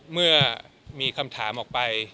เมื่อมีคำถามออกไป